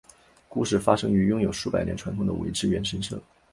故事发生于拥有数百年传统的苇之原神社。